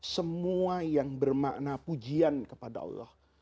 semua yang bermakna pujian kepada allah